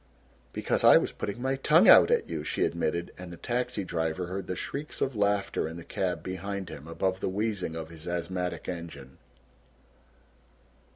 "Because I was putting my tongue out at you," she admitted, and the taxi driver heard the shrieks of laughter in the cab behind him above the wheezing of his asthmatic engine.